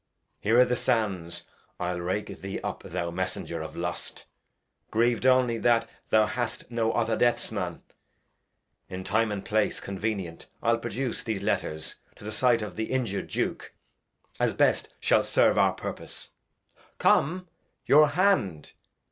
Here i' th' Sands I'll rake thee up, thou Messenger of Lust, Griev'd only that thou hadst no other Deaths Man. In Time and Place convenient I'll produce These Letters to the Sight of th' injur'd Duke, As best shall serve our Purpose ; come, your Hand.